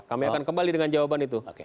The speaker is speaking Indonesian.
kami akan kembali dengan jawaban itu